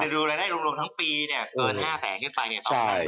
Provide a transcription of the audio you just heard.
ดูรายได้รวมทั้งปีเนี่ยเกิน๕แสนขึ้นไปเนี่ย